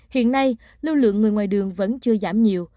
hiện nay lưu lượng người ngoài đường vẫn chưa giảm nhiều